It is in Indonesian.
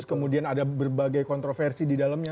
kemudian ada berbagai kontroversi di dalamnya